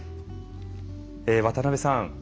渡邉さん